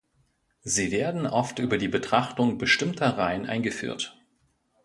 Sie werden oft über die Betrachtung bestimmter Reihen eingeführt.